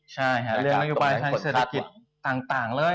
ใช่ค่ะเรื่องนโยบายทางเศรษฐกิจต่างเลย